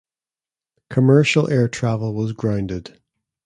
Commercial air travel was grounded.